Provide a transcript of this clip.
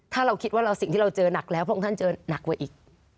ถ้าเราคิดว่าสิ่งที่เราเจอหนักแล้วพระองค์ท่านเจอหนักกว่าอีก